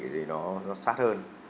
thì nó sát hơn